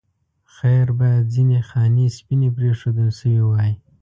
خیر باید ځینې خانې سپینې پرېښودل شوې وای.